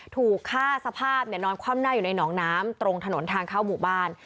ถูกฆ่าสภาพนอนคว่ำหน้าอยู่ในหนองน้ำตรงถนนทางเข้าหมู่บ้าน